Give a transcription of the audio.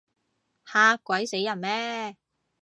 嚇鬼死人咩？